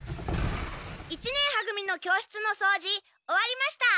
一年は組の教室のそうじ終わりました！